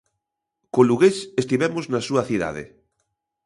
Co lugués estivemos na súa cidade.